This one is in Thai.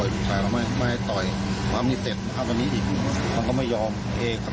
และร้านอาหารที่ใกล้ที่สุดเพียง๒๕เมตร